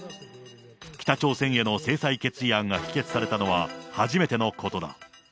北朝鮮への制裁決議案が否決されたのは、初めてのことだ。